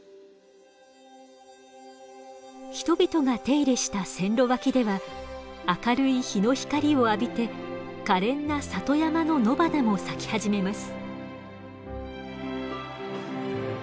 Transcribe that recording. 人々が手入れした線路脇では明るい日の光を浴びて可憐な里山の野花も咲き始めます。